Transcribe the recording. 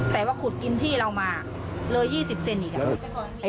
แต่ว่าขุดกินที่เรามาเลย๒๐เซนอีกอ่ะ